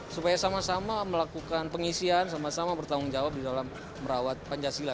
supaya sama sama melakukan pengisian sama sama bertanggung jawab di dalam merawat pancasila